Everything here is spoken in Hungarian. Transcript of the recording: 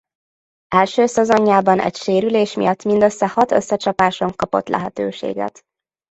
Első szezonjában egy sérülés miatt mindössze hat összecsapáson kapott lehetőséget.